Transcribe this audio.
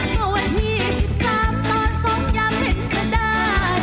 เมื่อวันที่๑๓ตอน๒ยามเห็นก็ได้